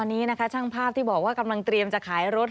ตอนนี้นะคะช่างภาพที่บอกว่ากำลังเตรียมจะขายรถ